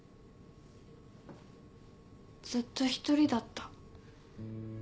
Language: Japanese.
ずっと独りだった。